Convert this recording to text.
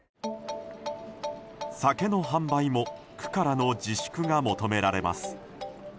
酒の販売も区からの自粛が求められます。